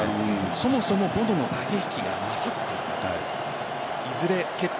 そもそもボノの駆け引きが勝っていた。